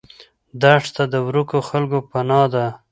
دښته د ورکو خلکو پناه ده.